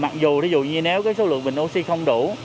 mặc dù ví dụ như nếu cái số lượng bình oxy không đủ